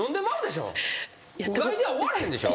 うがいでは終われへんでしょ。